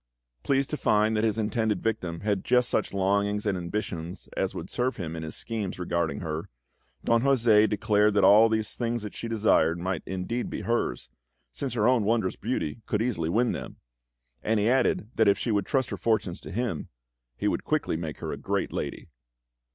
Pleased to find that his intended victim had just such longings and ambitions as would serve him in his schemes regarding her, Don José declared that all these things she desired might indeed be hers, since her own wondrous beauty could easily win them; and he added that if she would trust her fortunes to him, he would quickly make her a great lady.